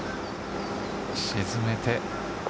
沈めて。